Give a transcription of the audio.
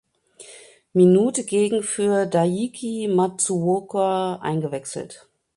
Minute gegen für Daiki Matsuoka eingewechselt.